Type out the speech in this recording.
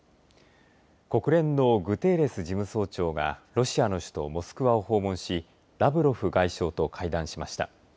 国連のグテーレス事務総長がロシアの首都モスクワを訪問しラブロフ外相と会談しました。